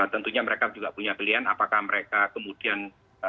tentunya mereka juga punya pilihan apakah mereka kemudian